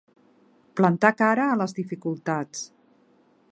Plantar cara a les dificultats.